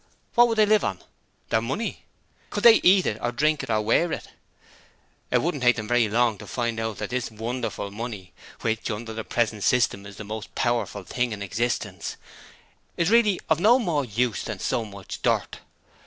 What would they live on? Their money? Could they eat it or drink it or wear it? It wouldn't take them very long to find out that this wonderful money which under the present system is the most powerful thing in existence is really of no more use than so much dirt.